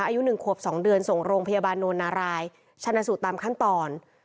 อายุ๑ขวบ๒เดือนส่งโรงพยาบาลโนนารายชนะสูตรตามขั้นตอน